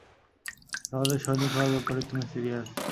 তাহলে, সৈনিক হওয়ার ব্যাপারে তুমি সিরিয়াস?